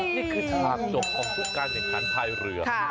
นี่คือต่างจบของทุกการติดทางไทยเรือ